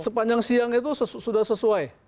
sepanjang siang itu sudah sesuai